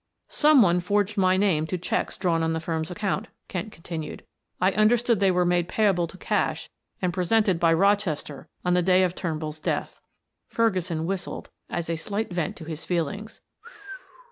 "Some one forged my name to checks drawn on the firm's account," Kent continued. "I understood they were made payable to cash and presented by Rochester on the day of Turnbull's death." Ferguson whistled as a slight vent to his feelings.